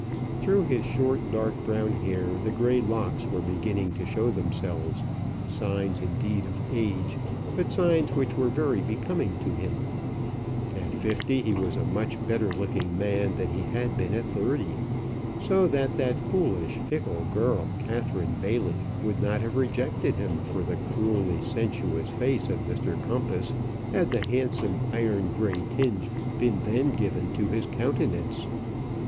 Through his short dark brown hair the grey locks were beginning to show themselves signs indeed of age, but signs which were very becoming to him. At fifty he was a much better looking man than he had been at thirty, so that that foolish, fickle girl, Catherine Bailey, would not have rejected him for the cruelly sensuous face of Mr Compas, had the handsome iron grey tinge been then given to his countenance.